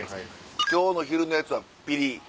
今日の昼のやつはピリっ。